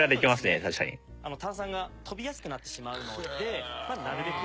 炭酸が飛びやすくなってしまうのでなるべく